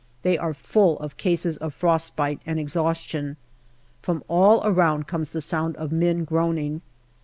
They are full of cases of frostbite and exhaustion. From all around comes the sound of men groaning.